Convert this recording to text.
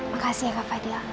makasih ya kak fadiyah